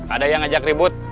ada yang ajak ribut